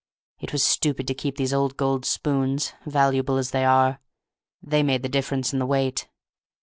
It was stupid to keep these old gold spoons, valuable as they are; they made the difference in the weight....